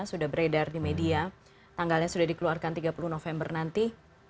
sudah beredar di media tanggalnya sudah dikeluarkan tiga puluh november nanti